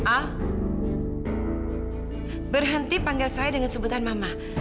al berhenti panggil saya dengan sebutan mama